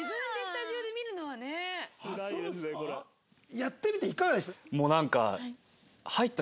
やってみていかがでした？